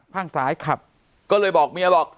ข้างซ้ายขับก็เลยบอกเมียบอก